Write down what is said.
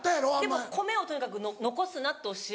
でも米をとにかく残すなって教えは。